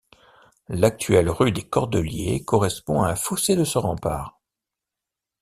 L'actuelle rue des Cordeliers correspond à un fossé de ce rempart.